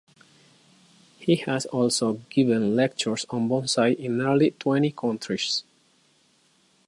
He has also given lectures on bonsai in nearly twenty countries.